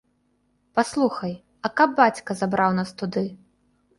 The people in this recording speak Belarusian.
Паслухай, а каб бацька забраў нас туды?